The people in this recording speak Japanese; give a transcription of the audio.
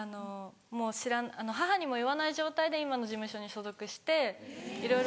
母にも言わない状態で今の事務所に所属していろいろ。